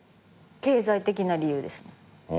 経済的な理由ですね。